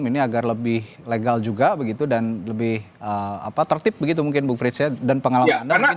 ini agar lebih legal juga begitu dan lebih tertib begitu mungkin bu frits ya dan pengalaman anda mungkin